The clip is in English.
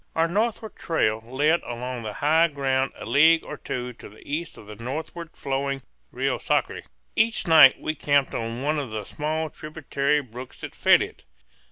Our northward trail led along the high ground a league or two to the east of the northward flowing Rio Sacre. Each night we camped on one of the small tributary brooks that fed it.